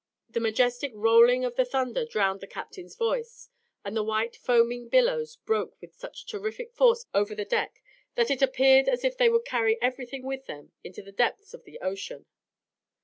The majestic rolling of the thunder drowned the captain's voice, and the white foaming billows broke with such terrific force over the deck, that it appeared as if they would carry everything with them into the depths of the ocean.